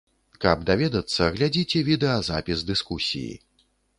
Каб даведацца, глядзіце відэазапіс дыскусіі.